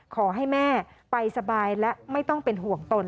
ขอให้แม่ไปสบายและไม่ต้องเป็นห่วงตน